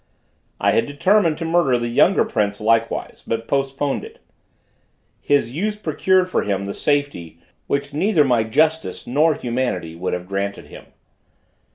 I had determined to murder the younger prince likewise; but postponed it. His youth procured for him the safety, which neither my justice nor humanity would have granted him.